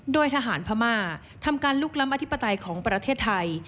โดยทหารพม่าทำการลุกล้ำอธิปไตยของประเทศไทย